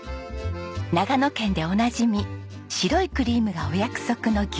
長野県でおなじみ白いクリームがお約束の牛乳パン。